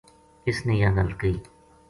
اس نے یاہ گل کہی